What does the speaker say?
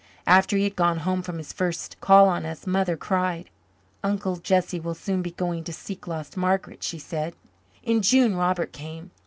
After he had gone home from his first call on us, Mother cried. "Uncle Jesse will soon be going to seek lost Margaret," she said. In June Robert came.